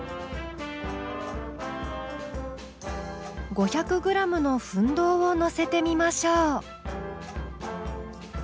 ５００ｇの分銅をのせてみましょう。